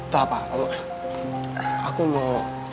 tak apa aku mau